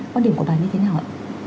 con điểm của bà như thế nào ạ